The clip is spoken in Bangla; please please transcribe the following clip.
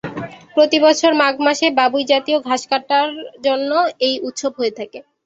প্রতি বছর মাঘ মাসে বাবুই জাতীয় ঘাস কাটার জন্য এই উৎসব হয়ে থাকে।